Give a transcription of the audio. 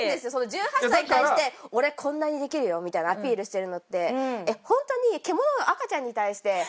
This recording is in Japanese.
１８歳に対して俺こんなにできるよみたいなアピールしてるのって。